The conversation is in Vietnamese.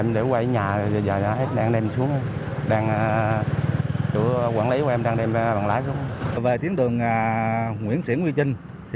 đường nguyễn siễn nguyễn trinh